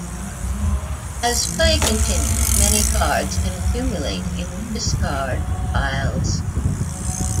As play continues many cards can accumulate in the discard piles.